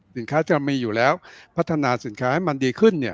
สินค้าที่มีอยู่แล้วพัฒนาสินค้ามันดีขึ้น